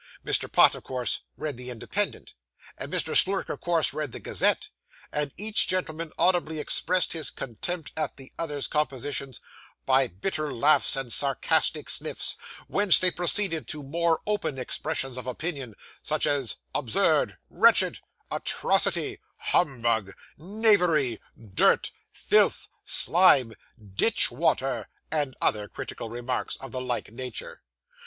Mr. Pott, of course read the Independent, and Mr. Slurk, of course, read the Gazette; and each gentleman audibly expressed his contempt at the other's compositions by bitter laughs and sarcastic sniffs; whence they proceeded to more open expressions of opinion, such as 'absurd,' 'wretched,' 'atrocity,' 'humbug,' 'knavery', 'dirt,' 'filth,' 'slime,' 'ditch water,' and other critical remarks of the like nature.